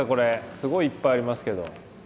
すごいいっぱいありますけど。